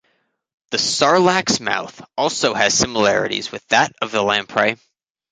The sarlacc's mouth also has similarities with that of the lamprey.